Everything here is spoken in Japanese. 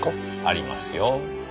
ありますよ。